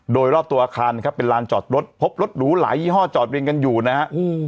โดยรอบตัวอาคารครับเป็นลานจอดรถพบรถหรูหลายยี่ห้อจอดเรียงกันอยู่นะฮะ